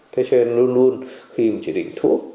thế cho nên luôn luôn khi chỉ định thuốc